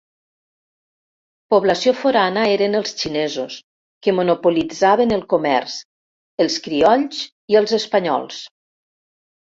Població forana eren els xinesos, que monopolitzaven el comerç, els criolls i els espanyols.